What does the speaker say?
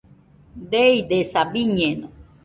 Deidesaa, biñeno